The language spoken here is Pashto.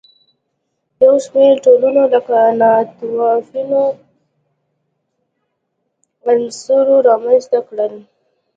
یو شمېر ټولنو لکه ناتوفیانو عناصر رامنځته کړل.